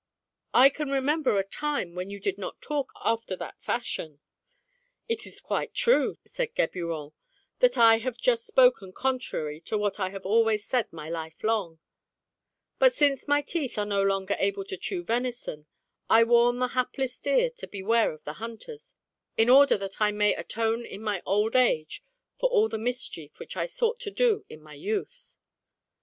I can remember a time when you did not talk after that fashion." " It is quite true," said Geburon, " that I have just spoken contrary to what I have always said my life long ; but since my teeth are no longer able to chew venison, I warn the hapless deer to beware of the hunters, in order that I may atone in my old age for all the mischief which I sought to do in my youth."